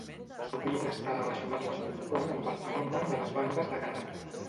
Sovint està relacionat o es confon amb el fenomen de les bandes de carrer.